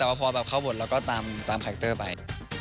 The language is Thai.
แต่ว่าพอเข้าบทเราก็ตามคาแรกเตอร์ไป